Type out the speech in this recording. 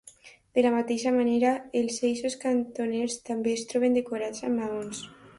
De la mateixa manera, els eixos cantoners també es troben decorats amb maons.